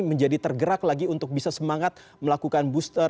menjadi tergerak lagi untuk bisa semangat melakukan booster